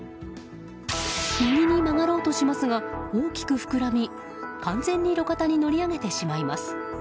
右に曲がろうとしますが大きく膨らみ完全に路肩に乗り上げてしまいます。